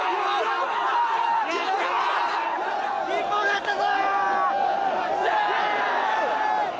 日本、勝ったぞ！